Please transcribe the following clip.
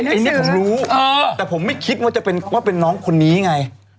ว่าด่ำเขีอ่านผมรู้แต่ผมไม่คิดว่าจะเป็นน้องคนนี้ไง